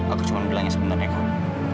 aku cuma bilangnya sebenarnya kok